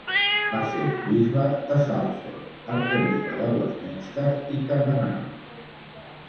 Va ser bisbe de Salford, arquebisbe de Westminster i cardenal.